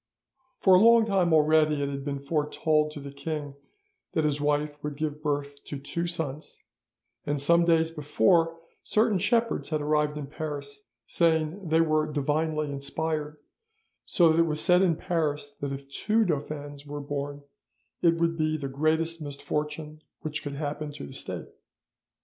"'For a long time already it had been foretold to the king that his wife would give birth to two sons, and some days before, certain shepherds had arrived in Paris, saying they were divinely inspired, so that it was said in Paris that if two dauphins were born it would be the greatest misfortune which could happen to the State.